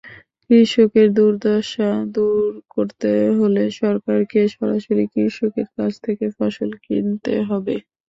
কৃষকের দুর্দশা দূর করতে হলে সরকারকে সরাসরি কৃষকের কাছ থেকে ফসল কিনতে হবে।